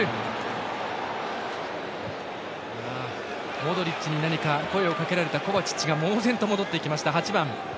モドリッチに声をかけられたコバチッチが猛然と戻っていきました。